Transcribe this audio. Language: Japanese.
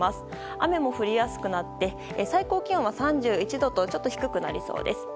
雨も降りやすくなって最高気温は３１度と低くなりそうです。